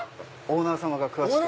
オーナー様？